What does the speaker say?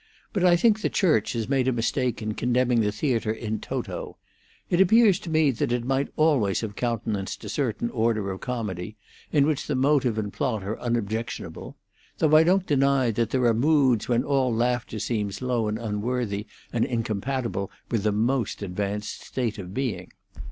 "But I think the Church has made a mistake in condemning the theatre in toto. It appears to me that it might always have countenanced a certain order of comedy, in which the motive and plot are unobjectionable. Though I don't deny that there are moods when all laughter seems low and unworthy and incompatible with the most advanced state of being.